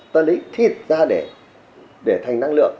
ta lấy thịt ra để thành năng lượng